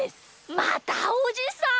またおじさん？